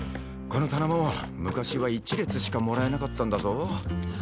この棚も昔は１列しかもらえなかったんだぞ。